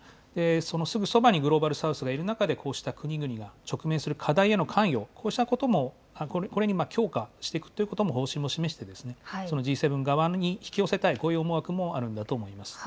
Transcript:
そのすぐそばにグローバル・サウスがいる中で、こうした国々が直面する課題への関与、こうしたことも、これに強化していくということも、方針を示して、Ｇ７側に引き寄せたい、こういう思惑もあるんだと思います。